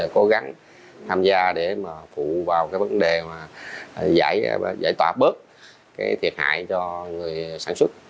cố gắng tham gia để phụ vào vấn đề giải tỏa bớt thiệt hại cho người sản xuất